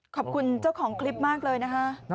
ขอบคุณเจ้าของคลิปมากเลยนะคะ